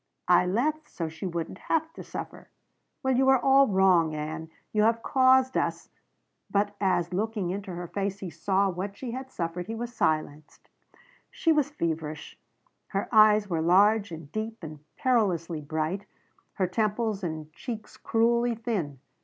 "I left so she wouldn't have to suffer." "Well you were all wrong, Ann. You have caused us " But as, looking into her face, he saw what she had suffered, he was silenced. She was feverish; her eyes were large and deep and perilously bright, her temples and cheeks cruelly thin.